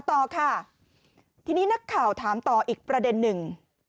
ต่อค่ะทีนี้นักข่าวถามต่ออีกประเด็นหนึ่ง